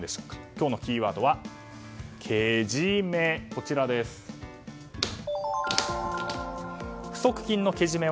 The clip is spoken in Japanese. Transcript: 今日のキーワードは、けじめ。